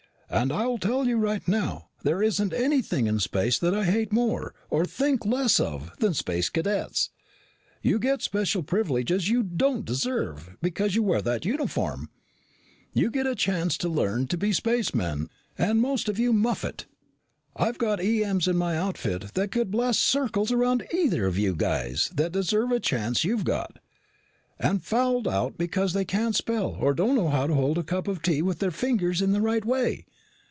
And I'll tell you right now, there isn't anything in space that I hate more, or think less of, than Space Cadets. You get special privileges you don't deserve because you wear that uniform. You get a chance to learn to be a spaceman and most of you muff it. I've got E.M.'s in my outfit that could blast circles around either of you guys that deserve the chance you've got, and fouled out because they can't spell or don't know how to hold a cup of tea with their fingers the right way.